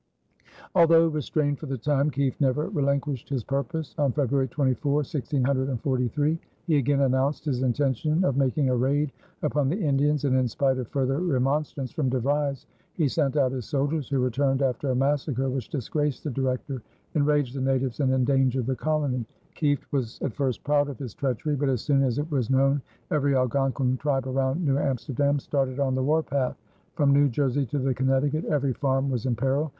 Although restrained for the time, Kieft never relinquished his purpose. On February 24, 1643, he again announced his intention of making a raid upon the Indians, and in spite of further remonstrance from De Vries he sent out his soldiers, who returned after a massacre which disgraced the Director, enraged the natives, and endangered the colony. Kieft was at first proud of his treachery; but as soon as it was known every Algonquin tribe around New Amsterdam started on the warpath. From New Jersey to the Connecticut every farm was in peril.